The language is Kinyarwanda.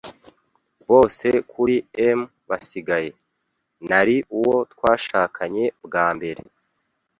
bose kuri em basigaye. Nari uwo twashakanye bwa mbere,